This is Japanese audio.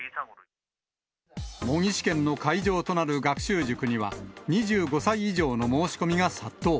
模擬試験の会場となる学習塾には、２５歳以上の申し込みが殺到。